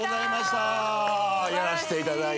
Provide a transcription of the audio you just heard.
やらせていただいて。